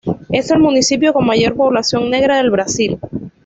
Es el municipio con mayor población negra del Brasil.